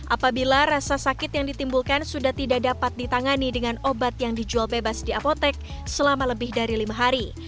apabila rasa sakit yang ditimbulkan sudah tidak dapat ditangani dengan obat yang dijual bebas di apotek selama lebih dari lima hari